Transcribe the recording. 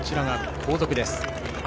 後続です。